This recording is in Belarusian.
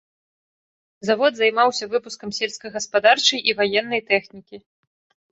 Завод займаўся выпускам сельскагаспадарчай і ваеннай тэхнікі.